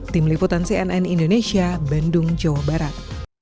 tim liputan cnn indonesia bandung jawa barat